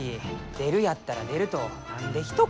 出るやったら出ると何でひと言。